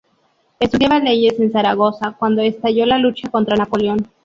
Estudiaba leyes en Zaragoza cuando estalló la lucha contra Napoleón.